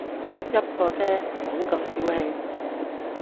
一個啫，唔好咁小氣